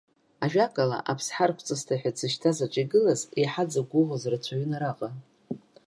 Ажәакала, аԥсҳа аргәҵысҭа ҳәа дзышьҭаз аҿы игылаз, еиҳа дзықәгәыӷуаз рацәаҩын араҟа.